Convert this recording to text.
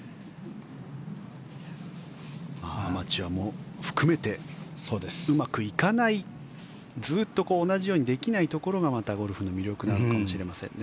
アマチュアも含めてうまくいかないずっと同じようにできないところがまたゴルフの魅力なのかもしれませんね。